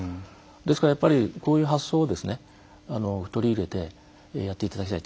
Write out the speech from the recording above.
ですからやっぱりこういう発想を取り入れてやっていただきたい。